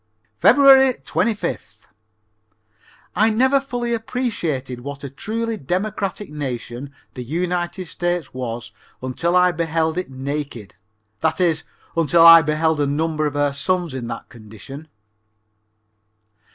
Feb. 25th. I never fully appreciated what a truly democratic nation the United States was until I beheld it naked, that is, until I beheld a number of her sons in that condition.